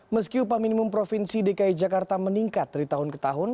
meski upah minimum provinsi dki jakarta meningkat dari tahun ke tahun